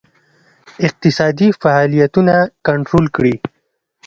اقتصادي فعالیتونه کنټرول کړي.